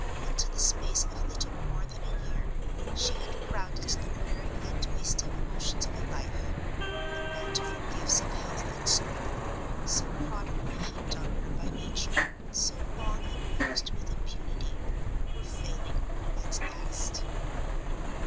Into the space of little more than a year she had crowded the wearing and wasting emotions of a life. The bountiful gifts of health and strength, so prodigally heaped on her by Nature, so long abused with impunity, were failing her at last.